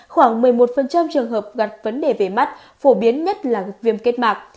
khoảng một mươi một trường hợp gặp vấn đề về mắt phổ biến nhất là viêm kết mạc